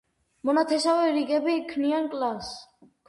მონათესავე რიგები ქმნიან კლასს.